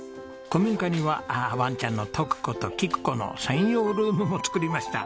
古民家にはワンちゃんのトク子ときく子の専用ルームも作りました。